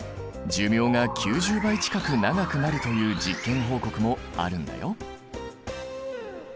寿命が９０倍近く長くなるという実験報告もあるんだよ。